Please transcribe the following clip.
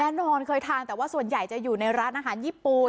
นอนเคยทานแต่ว่าส่วนใหญ่จะอยู่ในร้านอาหารญี่ปุ่น